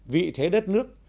vị thế đất nước